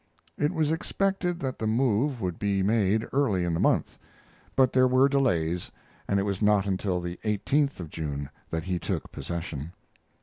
It was expected that the move would be made early in the month; but there were delays, and it was not until the 18th of June that he took possession.